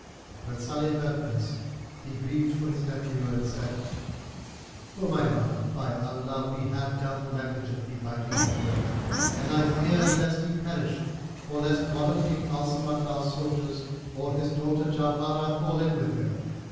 When Salih heard this, he grieved for his nephew and said, "O my mother, by Allah, we have dealt negligently by King Badr and I fear lest he perish or lest one of King Al Samandal's soldiers or his daughter Jauharah fall in with him.